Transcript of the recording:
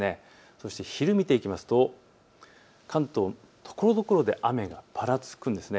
そして昼を見ていきますと関東、ところどころで雨がぱらつくんです。